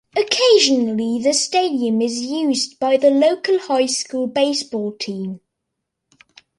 Occasionally, the stadium is used by the local high school baseball team.